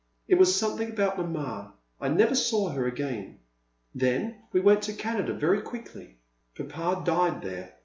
It was something about Mama ; I never saw her again. Then we went to Canada very quickly ; Papa died there.